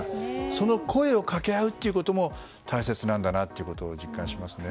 その声を掛け合うということも大切なんだなということを実感しますね。